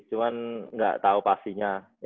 cuman nggak tahu pastinya